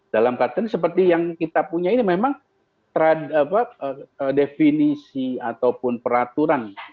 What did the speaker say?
dalam keadaan seperti yang kita punya ini memang definisi ataupun peraturan